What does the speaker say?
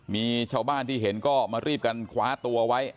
มีชาวบ้านที่เห็นก็มารีบกันคว้าตัวไว้